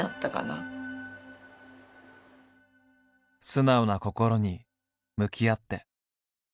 素直な心に向き合って。